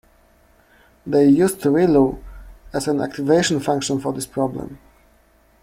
They used relu as an activation function for this problem.